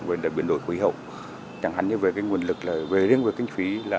về biển đổi khủy hậu chẳng hạn như về nguồn lực về riêng về kinh phí